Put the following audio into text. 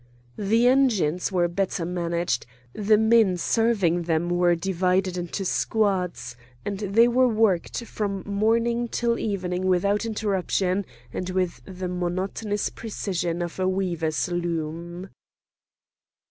The engines were better managed, the men serving them were divided into squads, and they were worked from morning till evening without interruption and with the monotonous precision of a weaver's loom.